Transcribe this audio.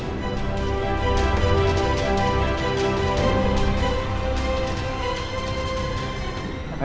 bisa cari bareng bareng ya